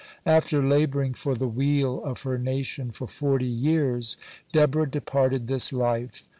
(90) After laboring for the weal of her nation for forty years, Deborah departed this life.